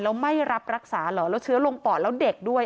แล้วไม่รับรักษาเหรอแล้วเชื้อลงปอดแล้วเด็กด้วย